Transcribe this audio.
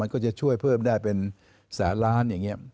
ก็จะช่วยเพิ่มได้เป็นแสนล้านอย่างนี้